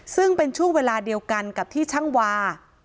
ซึ่งเป็นช่วงเวลาเดียวกันกับที่ช่างวา